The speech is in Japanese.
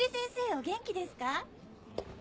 お元気ですか？